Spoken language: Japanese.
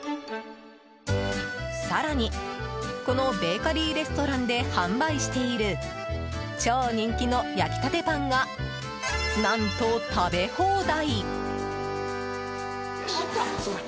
更にこのベーカリーレストランで販売している超人気の焼き立てパンが何と食べ放題！